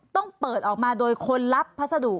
ต้องเปิดออกมาโดยคนรับพัสดุ